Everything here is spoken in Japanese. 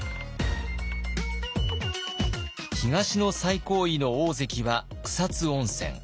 東の最高位の大関は草津温泉。